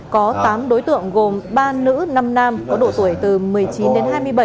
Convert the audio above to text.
có tám đối tượng gồm ba nữ năm nam có độ tuổi từ một mươi chín đến hai mươi bảy